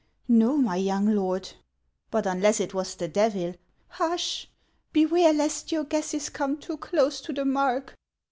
" No, my young lord." " But unless it was the Devil —"" Hush ! Beware, lest your guesses come too close to HANS OF ICELAND. 91 the mark.